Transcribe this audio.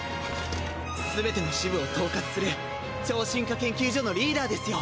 すべての支部を統括する超進化研究所のリーダーですよ。